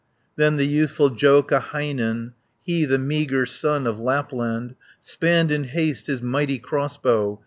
Then the youthful Joukahainen, He, the meagre son of Lapland, Spanned in haste his mighty crossbow.